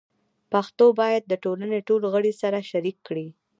پښتو باید د ټولنې ټول غړي سره شریک کړي.